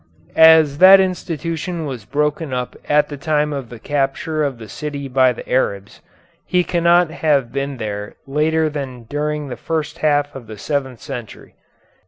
As that institution was broken up at the time of the capture of the city by the Arabs, he cannot have been there later than during the first half of the seventh century.